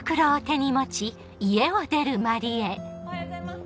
おはようございます！